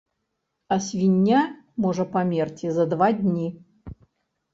А свіння можа памерці за два дні.